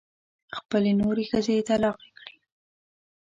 خپلې نورې ښځې طلاقې کړې.